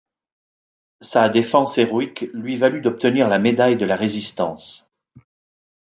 Sa défense héroïque lui valut d'obtenir la Médaille de la Résistance.